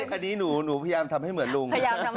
อันนี้หนูพยายามทำให้เหมือนลุง